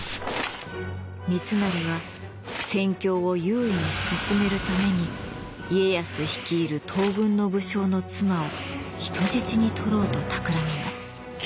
三成は戦況を優位に進めるために家康率いる東軍の武将の妻を人質にとろうとたくらみます。